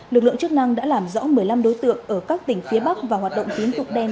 lực lượng chức năng đã làm rõ một mươi năm đối tượng ở các tỉnh phía bắc và hoạt động tín dụng đen